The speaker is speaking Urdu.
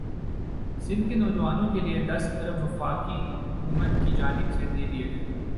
سندھ کے نواجوانوں کے لئے دس ارب وفاقی حکومت کی جانب سے دئے گئے ہیں